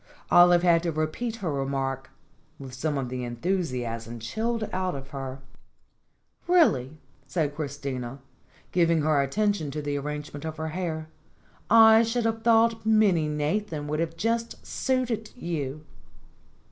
Olive had to repeat her remark, with some of the enthusiasm chilled out of her. "Really!" said Christina, giving her attention to the arrangement of her hair. "I should have thought Minnie Nathan would just have suited you."